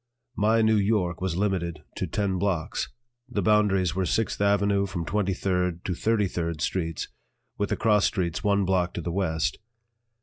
My New York was limited to ten blocks; the boundaries were Sixth Avenue from Twenty third to Thirty third Streets, with the cross streets one block to the west.